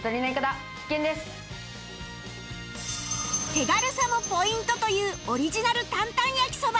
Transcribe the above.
手軽さもポイントというオリジナル担々焼きそば